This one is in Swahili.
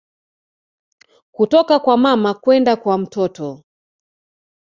Kutoka kwa mama kwenda kwa mtoto